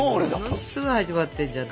ものすごい始まってんじゃん。